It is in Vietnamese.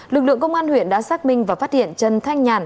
lực lượng công an huyện đã xác minh và phát hiện trần thanh nhàn